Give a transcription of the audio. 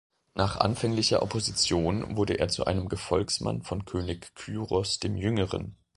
Nach anfänglicher Opposition wurde er zu einem Gefolgsmann von König Kyros dem Jüngeren.